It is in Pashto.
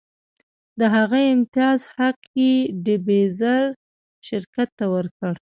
د هغه د امتیاز حق یې ډي بیرز شرکت ته ورکړ.